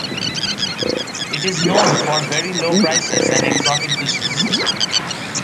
It is known for very low prices and exotic dishes.